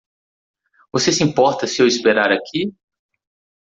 Você se importa se eu esperar aqui?